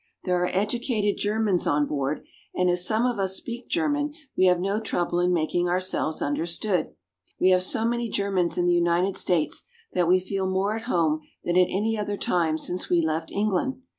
There are educated Germans on board, and as some of us speak German we have no trouble in mak ing ourselves under stood. We have so many Germans in the United States that we feel more at home than at any time since we left Eng land.